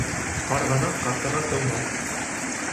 Ҡарғанан ҡарсыға тыумаҫ